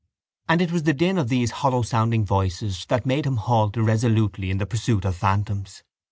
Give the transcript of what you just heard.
And it was the din of all these hollowsounding voices that made him halt irresolutely in the pursuit of phantoms.